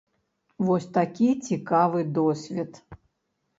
Вось такі цікавы досвед.